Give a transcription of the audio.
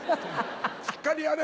しっかりやれ！